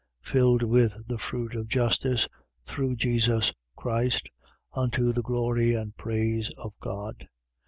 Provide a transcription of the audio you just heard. Filled with the fruit of justice, through Jesus Christ, unto the glory and praise of God.